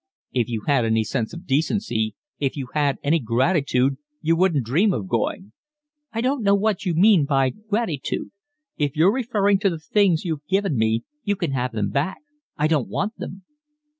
"If you had any sense of decency, if you had any gratitude, you wouldn't dream of going." "I don't know what you mean by gratitude. If you're referring to the things you've given me you can have them back. I don't want them."